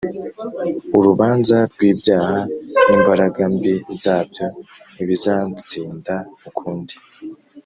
Urubanza rw’ibyaha n’imbaraga mbi zabyo ntibizansinda ukundi